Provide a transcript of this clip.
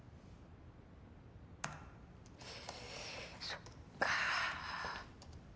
そっか。